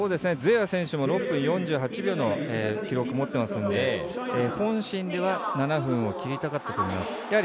ズエワ選手も６分４８秒の記録を持っていますので本心では７分を切りたかったんだと思います。